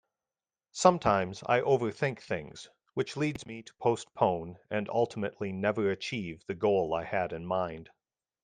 Sometimes I overthink things which leads me to postpone and ultimately never achieve the goal I had in mind.